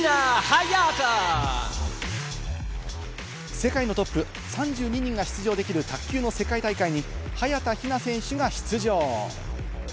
世界のトップ３２人が出場できる卓球の世界大会に早田ひな選手が出場。